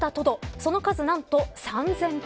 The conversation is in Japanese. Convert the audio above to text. その数、何と３０００頭。